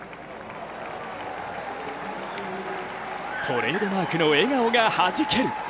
トレードマークの笑顔がはじける。